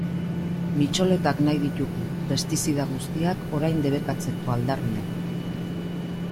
Mitxoletak nahi ditugu, pestizida guztiak orain debekatzeko aldarria.